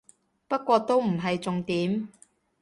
不過都唔係重點